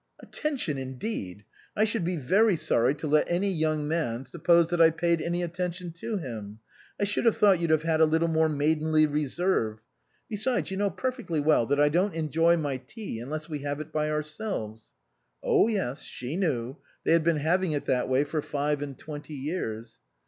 " Attention indeed ! I should be very sorry to let any young man suppose that I paid any attention to him. I should have thought you'd have had a little more maidenly reserve. Be sides, you know perfectly well that I don't enjoy my tea unless we have it by ourselves." Oh yes, she knew ; they had been having it that way for five and twenty years.